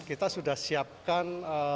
kita sudah siapkan